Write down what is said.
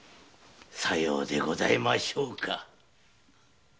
さようでございましょうか？